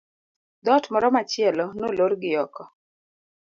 dhot moro machielo nolor gi oko